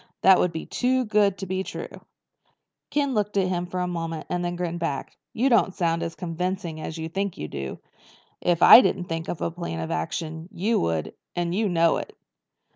That would be too good to be true." Ken looked at him for a moment and then he grinned back. "You don't sound as convincing as you think you do. If I didn't think up a plan of action, you would—and you know it."